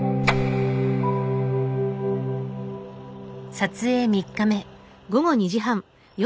撮影３日目。